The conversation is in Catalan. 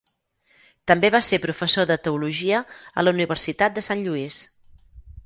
També va ser professor de teologia a la Universitat de Sant Lluís.